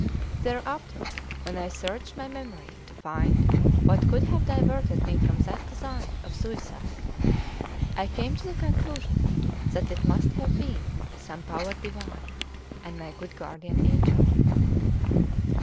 Thereafter, when I searched my memory to find what could have diverted me from that design of suicide, I came to the conclusion that it must have been some power divine and my good guardian angel.